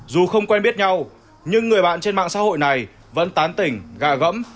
dù không quen biết nhau nhưng người bạn trên mạng xã hội này vẫn tán tỉnh gà gẫm